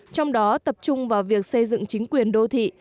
trong đó tập trung vào việc xây dựng chính quyền đô thị